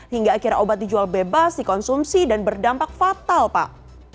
hingga akhirnya obat dijual bebas dikonsumsi dan berdampak fatal pak